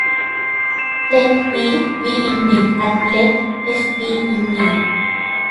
Let "v" be in "V" and let "f" be in "V".